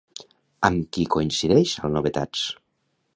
Amb qui coincideix al Novetats?